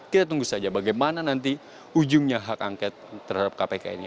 kita tunggu saja bagaimana nanti ujungnya hak angket terhadap kpk ini